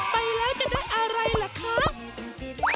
ไปแล้วจะได้อะไรล่ะคะจริง